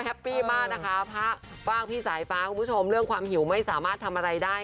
ปี้มากนะคะพระฟ่างพี่สายฟ้าคุณผู้ชมเรื่องความหิวไม่สามารถทำอะไรได้